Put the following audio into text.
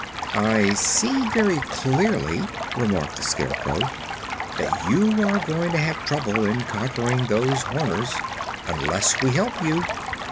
"I see very clearly," remarked the Scarecrow, "that you are going to have trouble in conquering those Horners unless we help you."